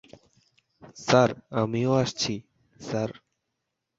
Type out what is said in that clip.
Sir, আমিও আসছি, sir.